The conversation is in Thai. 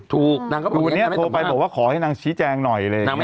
ถูกนางก็บอกอย่างนี้โทรไปบอกว่าขอให้นางชี้แจงหน่อย